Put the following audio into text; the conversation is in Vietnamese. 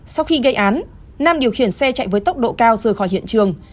sau khi gây án nam điều khiển xe chạy với tốc độ cao rời khỏi hiện trường